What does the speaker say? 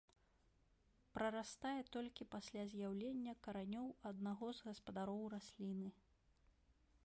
Прарастае толькі пасля з'яўлення каранёў аднаго з гаспадароў расліны.